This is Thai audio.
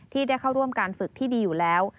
ที่ได้เข้าร่วมการฝึกที่ดีอยู่แล้ว